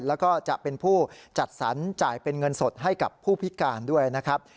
แล้วก็จะเป็นผู้จัดสรรจ่ายเป็นเงินสดให้กับผู้พิการด้วยนะครับ